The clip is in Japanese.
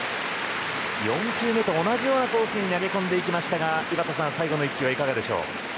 ４球目と同じようなコースに投げ込んでいきましたが井端さん、最後の１球いかがですか？